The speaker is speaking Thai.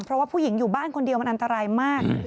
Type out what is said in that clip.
เพราะว่าผู้หญิงอยู่บ้านคนเดียวมันอันตรายมาก